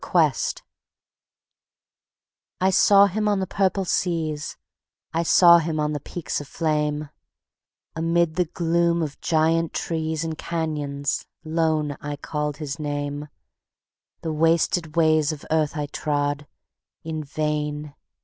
The Quest I sought Him on the purple seas, I sought Him on the peaks aflame; Amid the gloom of giant trees And canyons lone I called His name; The wasted ways of earth I trod: In vain!